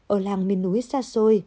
ở làng miền núi xa xôi